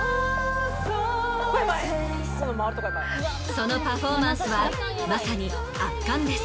そのパフォーマンスはまさに圧巻です。